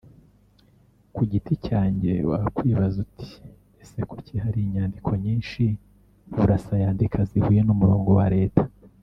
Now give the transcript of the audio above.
Ku giti cyanjye wakwibaza uti « ese kuki hari inyandiko nyinshi Burasa yandika zihuye n’umurongo wa Leta